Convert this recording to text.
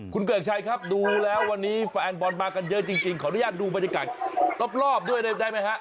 คุณเกริกชัยครับดูแล้ววันนี้แฟนบอลมากันเยอะจริงขออนุญาตดูบรรยากาศรอบด้วยได้ไหมฮะ